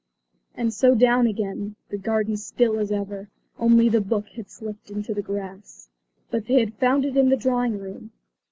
And so down again, the garden still as ever, only the book had slipped into the grass. But they had found it in the drawing room.